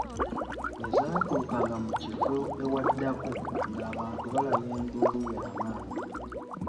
Bwe zaatuukanga mu kifo ewaddako ng'abantu balaya enduulu ya maanyi.